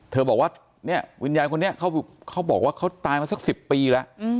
บอกว่าเนี่ยวิญญาณคนนี้เขาบอกว่าเขาตายมาสัก๑๐ปีแล้ว